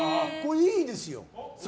いいですよ。